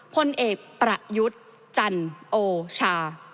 พลเอกประยุทธ์จันโอชา